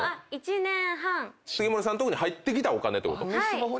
重盛さんのとこに入ってきたお金ってこと？